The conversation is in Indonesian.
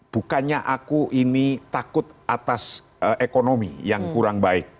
bukannya aku ini takut atas ekonomi yang kurang baik